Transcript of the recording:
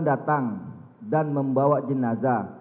datang dan membawa jenazah